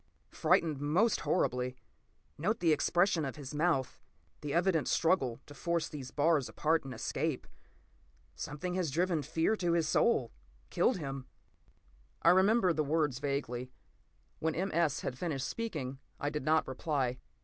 Frightened most horribly. Note the expression of his mouth, the evident struggle to force these bars apart and escape. Something has driven fear to his soul, killed him." I remember the words vaguely. When M. S. had finished speaking, I did not reply.